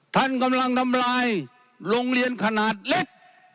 ท่านกำลังทำลายโรงเรียนขนาดเล็ก